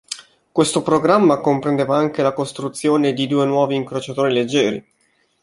Questo programma comprendeva anche la costruzione di due nuovi incrociatori leggeri.